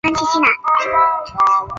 中华民国商务代表团目前也已关闭。